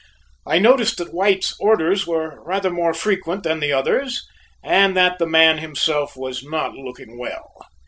I noticed that White's orders were rather more frequent than the others, and that the man himself was not looking well.